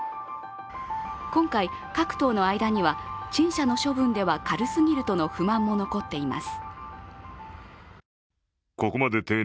今回、各党の間には陳謝の処分では軽すぎるとの不満も残っています。